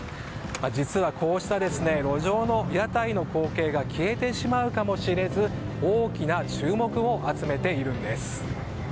実はこうした路上の屋台の光景が消えてしまうかもしれず大きな注目を集めているんです。